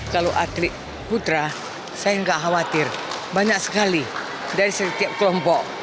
kalau atlet putra saya nggak khawatir banyak sekali dari setiap kelompok